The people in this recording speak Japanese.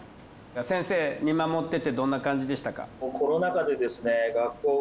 先生見守っててどんな感じでしたか？